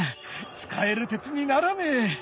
使える鉄にならねえ。